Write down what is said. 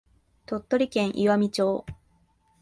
鳥取県岩美町